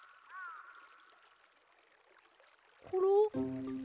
コロ？